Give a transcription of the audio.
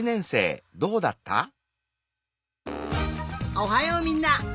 おはようみんな！